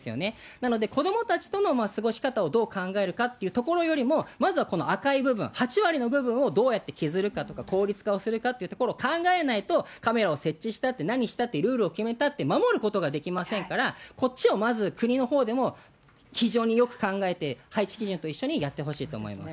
なので子どもたちとの過ごし方をどう考えるかというところよりも、まずはこの赤い部分、８割の部分をどうやって削るかとか、効率化をするかっていうところ考えないと、カメラを設置したって何したって、ルールを決めたって、守ることができませんから、こっちをまず国のほうでも非常によく考えて、配置基準と一緒にやってほしいと思います。